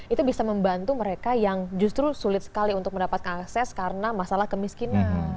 itu bisa membantu mereka yang justru sulit sekali untuk mendapatkan akses karena masalah kemiskinan